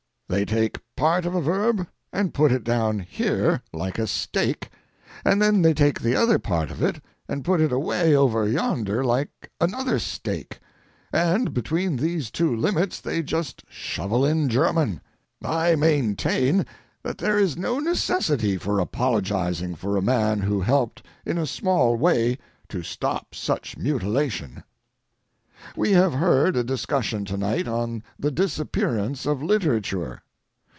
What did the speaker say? They take part of a verb and put it down here, like a stake, and they take the other part of it and put it away over yonder like another stake, and between these two limits they just shovel in German. I maintain that there is no necessity for apologizing for a man who helped in a small way to stop such mutilation. We have heard a discussion to night on the disappearance of literature.